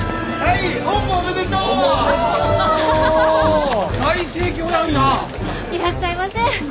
いらっしゃいませ。